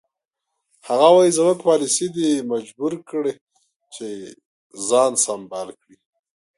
هغه وایي زموږ پالیسي دی مجبور کړی چې ځان سمبال کړي.